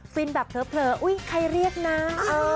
แบบเผลออุ๊ยใครเรียกนะ